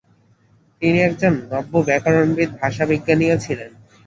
তিনি একজন নব্যব্যাকরণবিদ ভাষাবিজ্ঞানীও ছিলেন।